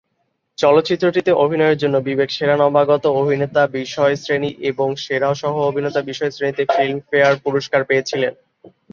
চলচ্চিত্রটিতে অভিনয়ের জন্য বিবেক সেরা নবাগত অভিনেতা বিষয়শ্রেণী এবং সেরা সহ-অভিনেতা বিষয়শ্রেণীতে ফিল্মফেয়ার পুরস্কার পেয়েছিলেন।